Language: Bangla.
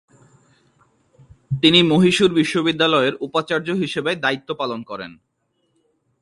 তিনি মহীশূর বিশ্ববিদ্যালয়ের উপাচার্য হিসেবে দায়িত্ব পালন করেন।